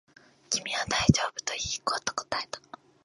君は大丈夫と言い、行こうと答えた